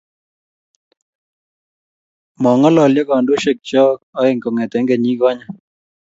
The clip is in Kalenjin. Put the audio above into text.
mangolonyoo kandoishek choo oeng kongete kenyii konye